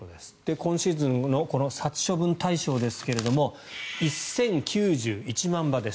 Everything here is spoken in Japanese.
今シーズンのこの殺処分対象ですが１０９１万羽です。